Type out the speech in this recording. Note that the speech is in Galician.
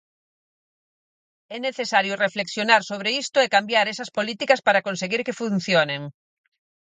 É necesario reflexionar sobre isto e cambiar esas políticas para conseguir que funcionen.